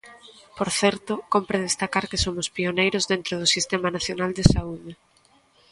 Por certo, cómpre destacar que somos pioneiros dentro do Sistema nacional de saúde.